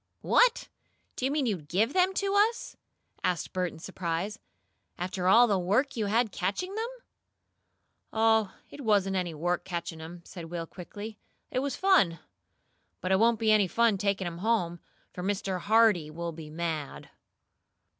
"What! Do you mean to GIVE them to us?" asked Bert in surprise. "After all the work you had catching them?" "Oh, it wasn't any work catching 'em," said Will quickly. "It was fun. But it won't be any fun taking 'em home, for Mr. Hardee will be mad."